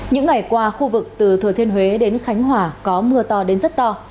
những ngày qua khu vực từ thừa thiên huế đến khánh hòa có mưa to đến rất to